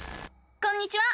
こんにちは！